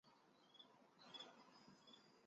于将军澳设有牙科中心。